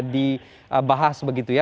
dibahas begitu ya